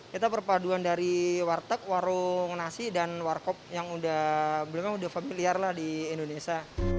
kita perpaduan dari warteg warung nasi dan warkop yang udah familiar lah di indonesia